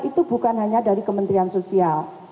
itu bukan hanya dari kementerian sosial